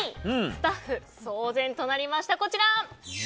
スタッフ騒然となりました。